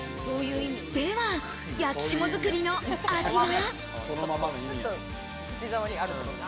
では焼き霜造りの味は？